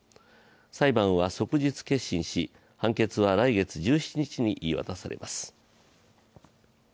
裁判は即日結審し、判決は来月１７日に言い渡されます。